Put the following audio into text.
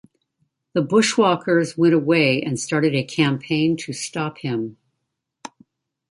The bushwalkers went away and started a campaign to stop him.